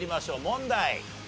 問題。